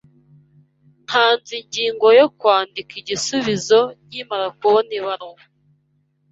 Ntanze ingingo yo kwandika igisubizo nkimara kubona ibaruwa.